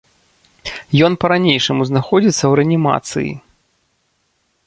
Ён па-ранейшаму знаходзіцца ў рэанімацыі.